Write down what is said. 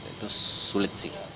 itu sulit sih